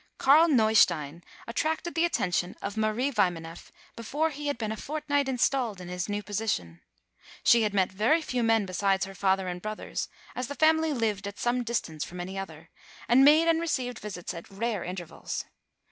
Carl Neustein attracted the attention of Marie Wymaneff before he had been a fortnight installed in his new position. She had met very few men besides her father and brothers, as the family lived at some distance from any other, and made and received visits at rare intervals.